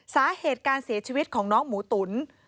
สาเหตุการเสียชีวิตของน้องหมูตุ๋น